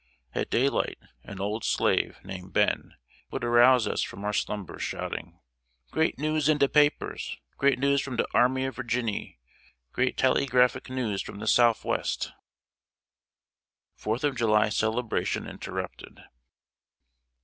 At daylight an old slave, named Ben, would arouse us from our slumbers, shouting: "Great news in de papers! Great news from de Army of Virginny! Great tallygraphic news from the Soufwest!" [Sidenote: FOURTH OF JULY CELEBRATION INTERRUPTED.